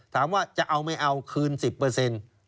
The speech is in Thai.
ถามว่าจะเอาไม่เอาคืน๑๐เปอร์เซ็นต์